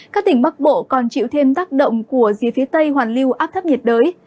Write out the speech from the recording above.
các tỉnh bắc bộ còn chịu thêm tác động của rìa phía tây hoàn lưu áp thấp nhiệt đới